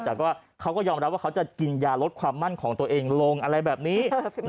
แต่เขาก็ยอมรับว่าเขาจะกินยาลดความมั่นของตัวเองลงอะไรแบบนี้